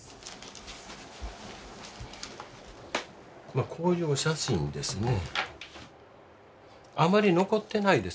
こういうお写真ですね。